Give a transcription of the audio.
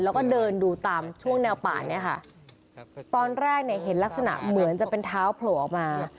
แล้วก็เดินดูตามช่วงแนวป่าเนี่ยค่ะตอนแรกเนี่ยเห็นลักษณะเหมือนจะเป็นเท้าโผล่ออกมา